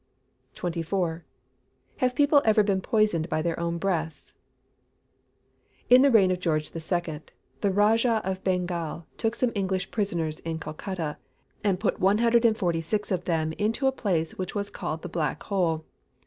24. Have people ever been poisoned by their own breaths? In the reign of George the Second, the Rajah of Bengal took some English prisoners in Calcutta, and put 146 of them into a place which was called the "Black Hole."